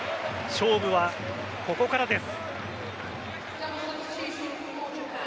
勝負はここからです。